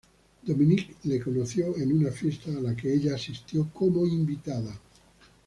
Dominique lo conoció en una fiesta a la que ella asistió como invitada.